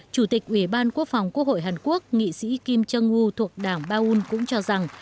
chủ tịch ủy ban quốc phòng quốc hội hàn quốc nghị sĩ kim chung woo thuộc đảng baun cũng cho rằng